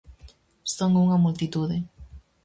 Son unha multitude.